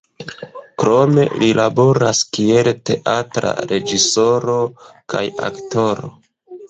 Krome li laboras kiel teatra reĝisoro kaj aktoro.